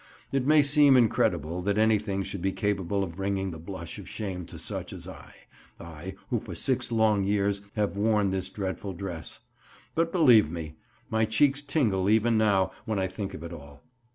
It may seem incredible that anything should be capable of bringing the blush of shame to such as I—I who for six long years have worn this dreadful dress—but, believe me, my cheeks tingle even now when I think of it all.